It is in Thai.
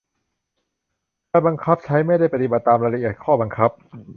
การบังคับใช้ไม่ได้ปฏิบัติตามรายละเอียดข้อบังคับ